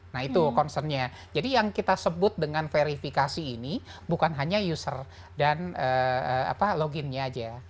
nah itu concernnya jadi yang kita sebut dengan verifikasi ini bukan hanya user dan loginnya aja